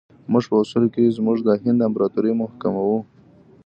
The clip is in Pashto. موږ په اصولو کې زموږ د هند امپراطوري محکوموو.